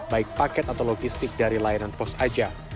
baik paket atau logistik dari layanan pos aja